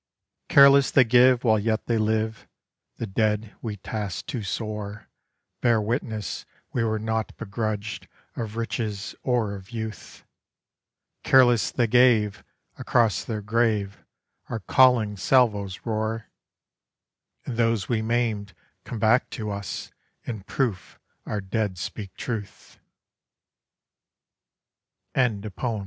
Careless they give while yet they live; the dead we tasked too sore Bear witness we were naught begrudged of riches or of youth; Careless they gave; across their grave our calling salvoes roar, And those we maimed come back to us in proof our dead speak truth!